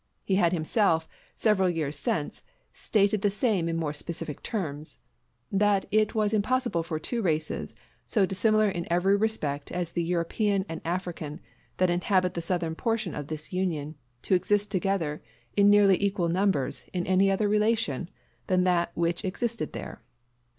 He had himself, several years since, stated the same in more specific terms: that it was impossible for two races, so dissimilar in every respect as the European and African that inhabit the southern portion of this Union, to exist together in nearly equal numbers in any other relation than that which existed there.